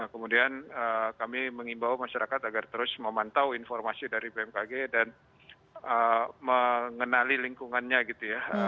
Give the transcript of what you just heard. kemudian kami mengimbau masyarakat agar terus memantau informasi dari bmkg dan mengenali lingkungannya gitu ya